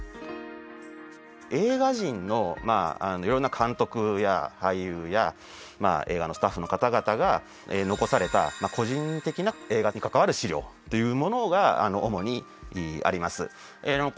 映画人のまあいろんな監督や俳優や映画のスタッフの方々が残された個人的な映画に関わる資料というものが主にあります。